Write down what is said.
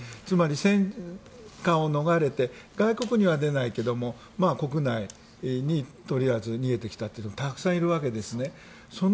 つまり、戦火を逃れて外国には出ないけど国内にとりあえず逃げてきた人がたくさんいるわけですね。